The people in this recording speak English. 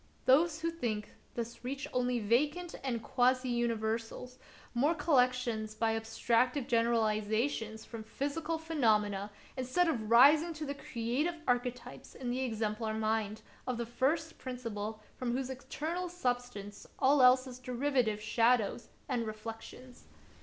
Those who think thus reach only vacant and quasi universals, mere collec tions by abstractive generalizations from physical phenomena, instead of rising to the creative archetypes in the exemplar mind of the First Principle from whose eternal substance all else is derivative shadows and reflections.